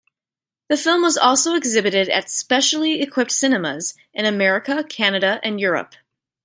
The film was also exhibited at specially equipped cinemas in America, Canada, and Europe.